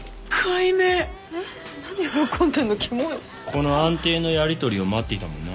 この安定のやりとりを待っていたもんな。